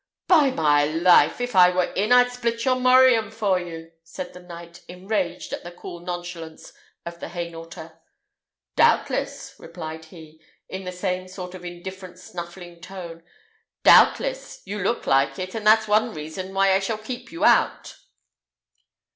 "By my life! if I were in, I'd split your morion for you," said the knight, enraged at the cool nonchalance of the Hainaulter. "Doubtless," replied he, in the same sort of indifferent snuffling tone; "doubtless: you look like it, and that's one reason why I shall keep you out."